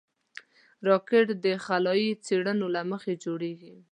راکټ د خلایي څېړنو لپاره جوړېږي